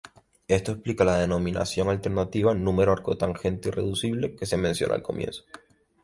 Esto explica la denominación alternativa número arcotangente-irreductible que se menciona al comienzo.